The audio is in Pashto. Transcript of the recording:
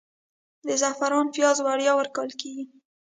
د زعفرانو پیاز وړیا ورکول کیږي؟